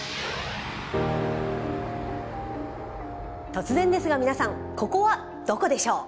突然ですが皆さんここはどこでしょう？